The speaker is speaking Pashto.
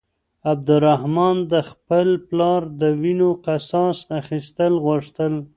عبدالرحمن د خپل پلار د وينو قصاص اخيستل غوښتل.